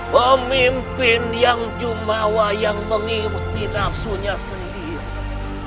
pemimpin yang jumawa yang mengikuti nafsunya sendiri